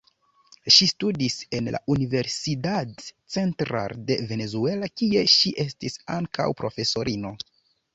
Ŝi studis en la Universidad Central de Venezuela, kie ŝi estis ankaŭ profesorino.